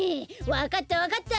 わかったわかった！